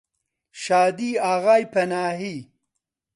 شادی ئاغای پەناهی